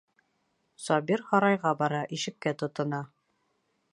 Сабир һарайға бара, ишеккә тотона.